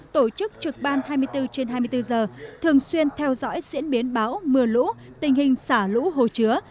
tổ chức trực ban hai mươi bốn trên hai mươi bốn giờ thường xuyên theo dõi diễn biến bão mưa lũ tình hình xả lũ hồ chứa